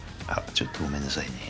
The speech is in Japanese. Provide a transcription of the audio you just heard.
ちょっとごめんなさいね。